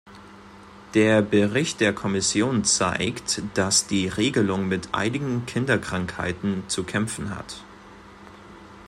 Der Bericht der Kommission zeigt, dass die Regelung mit einigen Kinderkrankheiten zu kämpfen hat.